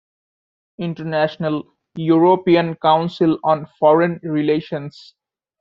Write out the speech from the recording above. International: European Council on Foreign Relations.